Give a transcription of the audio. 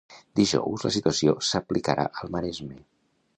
Dijous la situació s'aplicarà al Maresme.